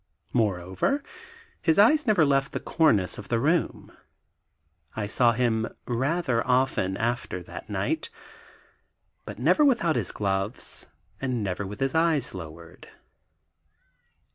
Moreover, his eyes never left the cornice of the room. I saw him rather often after that night, but never without his gloves and never with his eyes lowered.